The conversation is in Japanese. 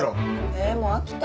えーもう飽きた。